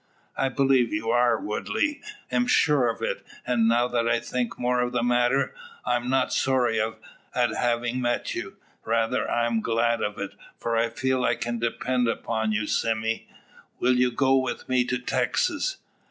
"I believe you are, Woodley am sure of it. And, now that I think more of the matter, I'm not sorry at having met you. Rather am I glad of it; for I feel that I can depend upon you. Sime, will you go with me to Texas?"